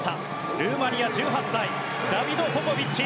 ルーマニア、１８歳ダビド・ポポビッチ。